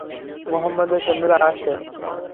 মুহাম্মাদের সৈন্যরা আসছে।